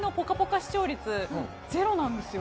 視聴率ゼロなんです。